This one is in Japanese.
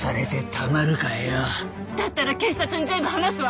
だったら警察に全部話すわ！